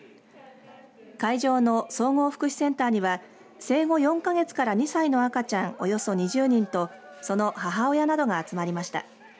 会場の総合福祉センターには生後４か月から２歳の赤ちゃんおよそ２０人とその母親などが集まりました。